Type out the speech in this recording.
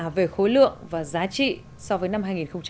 tăng cả về khối lượng và giá trị so với năm hai nghìn một mươi sáu